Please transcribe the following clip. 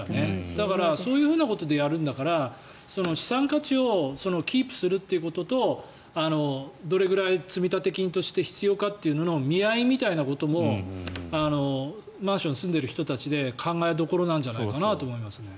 だから、そういうことでやるんだから資産価値をキープするということとどれぐらい積立金として必要かということの見合いみたいなこともマンションに住んでる人たちで考えどころなんじゃないかなと思いますね。